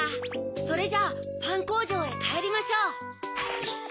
それじゃあパンこうじょうへかえりましょう。